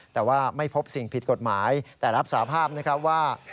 แต่ไม่พบสิ่งผิดกฎหมายแต่รับสาภาพว่า